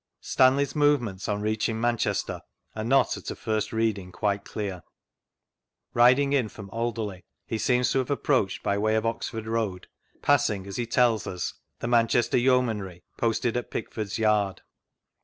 Stanley's movements on reaching Manchester are not, at a first reading, quite clear. Riding in from Alderley, he seems to have approached by way of Oxford Road, passing (as be tells us) the Manches ter Yeomanry, posted at Pickford's yard.